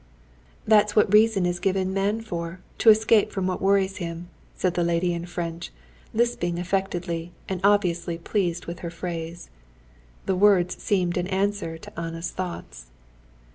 "That's what reason is given man for, to escape from what worries him," said the lady in French, lisping affectedly, and obviously pleased with her phrase. The words seemed an answer to Anna's thoughts.